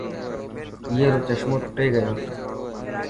ائي رو چشمو ٽٽي گيو.